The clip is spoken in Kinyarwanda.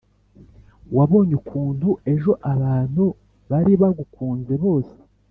wabonye ukuntu ejo abantu baribagukunze bose.?"